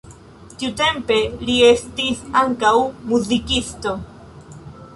Tiutempe li estis ankaŭ muzikisto.